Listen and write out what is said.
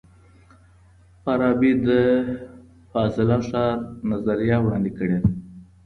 فارابي د فاضله ښار نظریه وړاندې کړې ده.